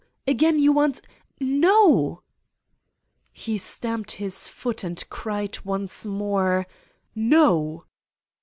Again you want ... No !" He stamped Jiis foot and cried once jmore: "No!"